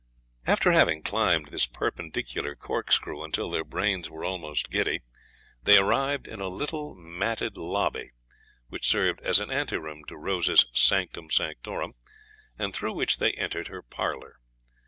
After having climbed this perpendicular corkscrew until their brains were almost giddy, they arrived in a little matted lobby, which served as an anteroom to Rose's sanctum sanctorum, and through which they entered her parlour.